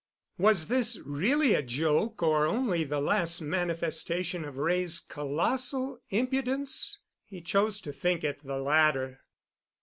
Was this really a joke or only the last manifestation of Wray's colossal impudence? He chose to think it the latter.